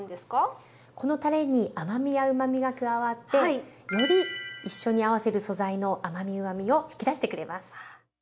このたれに甘みやうまみが加わってより一緒に合わせる素材の甘みうまみを引き出してくれます。